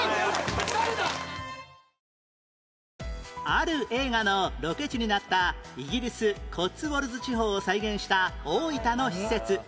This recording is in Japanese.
ある映画のロケ地になったイギリスコッツウォルズ地方を再現した大分の施設